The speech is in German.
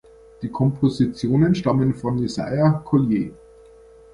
Die Kompositionen stammen von Isaiah Collier.